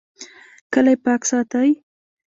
کلی پاک ساتئ